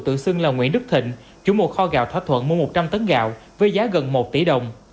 tự xưng là nguyễn đức thịnh chủ một kho gạo thỏa thuận mua một trăm linh tấn gạo với giá gần một tỷ đồng